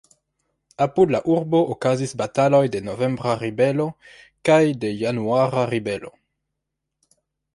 Apud la urbo okazis bataloj de novembra ribelo kaj de januara ribelo.